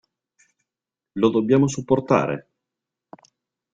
Lo dobbiamo supportare?